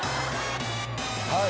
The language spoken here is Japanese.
はい。